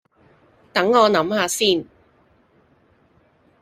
等我諗吓先